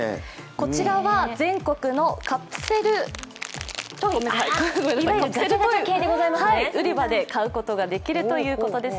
こちらは全国のカプセルトイ売り場で買うことができるということです。